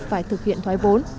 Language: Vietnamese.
phải thực hiện thoái vốn